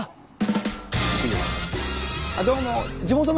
どうも！